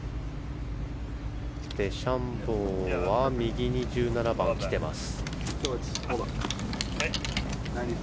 デシャンボーは右に１７番来ています。